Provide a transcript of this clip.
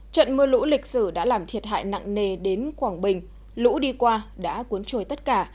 trận mưa lũ lịch sử đã làm thiệt hại nặng nề đến quảng bình lũ đi qua đã cuốn trôi tất cả